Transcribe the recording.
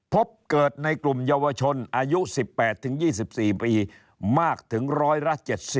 พบเกิดในกลุ่มเยาวชนอายุ๑๘๒๔ปีมากถึงร้อยละ๗๐